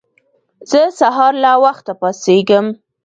زه سهار له وخته پاڅيږم.